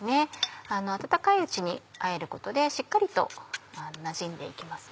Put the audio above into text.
温かいうちにあえることでしっかりとなじんで行きます。